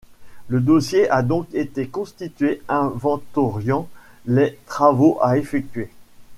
Le dossier a donc été constitué, inventoriant les travaux à effectuer.